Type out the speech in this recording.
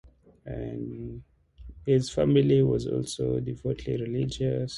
His family was also devoutly religious.